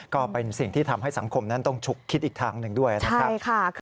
ก็เป็นสิ่งที่ทำให้สังคมนั้นต้องฉุกคิดอีกทางหนึ่งด้วยนะครับ